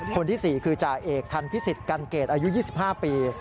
คนที่๔คือจ่าเอกทันพิสิทธิกันเกตอายุ๒๕ปี